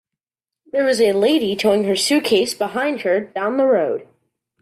There is a lady towing her suitcase behind her down the road.